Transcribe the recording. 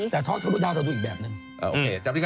แต่ทอดทะลุดาวเราดูอีกแบบนึง